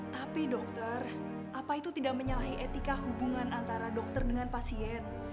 tapi dokter apa itu tidak menyalahi etika hubungan antara dokter dengan pasien